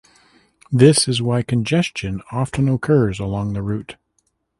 This is why congestion often occurs along the route.